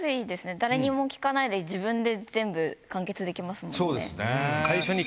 誰にも聞かないで完結できますもんね。